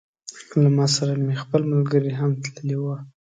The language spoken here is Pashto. له ما سره مې خپل ملګري هم تللي وه.